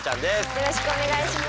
よろしくお願いします。